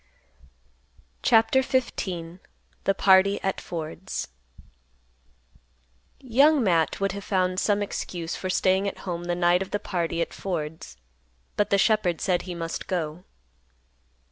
CHAPTER XV. THE PARTY AT FORD'S. Young Matt would have found some excuse for staying at home the night of the party at Ford's, but the shepherd said he must go.